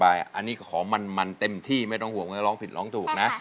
อันนี้ก็ขอมันเต็มที่ไม่ต้องห่วงไม่ต้องร้องผิดร้องถูกนะ